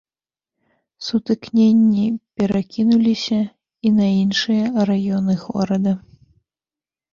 Сутыкненні перакінуліся і на іншыя раёны горада.